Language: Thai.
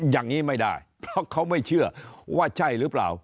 อย่างนี้ไม่ได้เพราะเขาไม่เชื่อว่าใช่หรือเปล่า